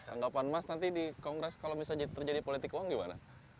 anggapan mas nanti di kongres kalau misalnya terjadi politik uang gimana